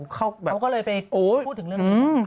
เขาก็เลยไปพูดถึงเรื่องนี้